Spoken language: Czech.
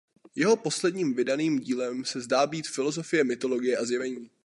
Jeho posledním vydaným dílem se zdá být „Filozofie mytologie a zjevení“.